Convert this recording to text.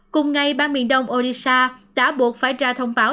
cùng ngày bang miền đông odisha đã buộc phải ra thông báo